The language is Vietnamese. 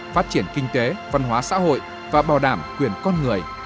phát triển kinh tế văn hóa xã hội và bảo đảm quyền con người